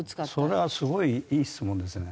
それはすごいいい質問ですね。